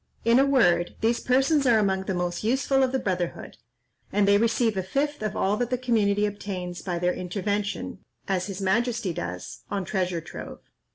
In a word, these persons are among the most useful of the brotherhood: and they receive a fifth of all that the community obtains by their intervention, as his majesty does, on treasure trove.